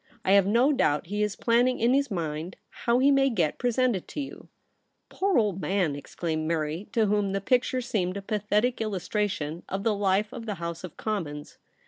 I have no doubt he is planning in his mind how he may get pre sented to you.' * Poor old man !' exclaimed Mary, to whom the picture seemed a pathetic illustration of the life of the House of Commons.